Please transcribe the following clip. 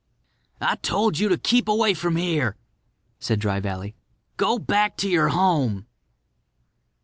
"I told you to keep away from here," said Dry Valley. "Go back to your home."